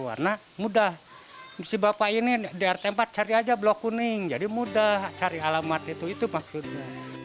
warna mudah si bapak ini di rt empat cari aja blok kuning jadi mudah cari alamat itu itu maksudnya